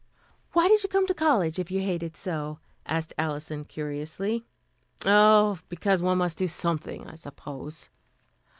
"Why did you come to college, if you hate it so?" asked Alison curiously. "Oh, because one must do something, I suppose."